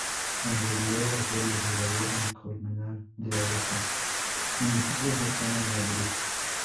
En realidad la serie se grabó en Colmenar de Oreja, municipio cercano a Madrid.